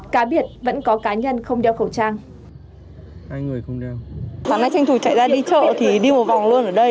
cá biệt vẫn có cá nhân không đeo khẩu trang